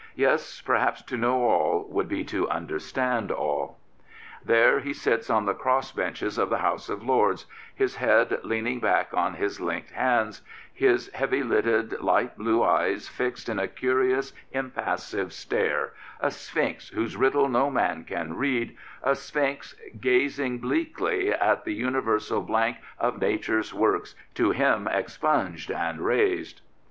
Yes, perhaps, to know all would be to understand all. There he sits on the cross benches of the House of Lords, his head leaning back on his hnked hands, his heavy lidded light blue eyes fixed in a curious, im passive stare — ^a sphinx whose riddle no man can read, a sphmx gazing bleakly at the Universal blank of Nature's works, To him expunged and razed.